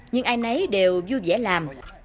nhưng ai nấy đều vui vẻ làm